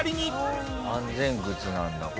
安全靴なんだ。